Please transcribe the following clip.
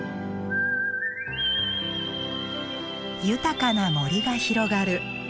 豊かな森が広がる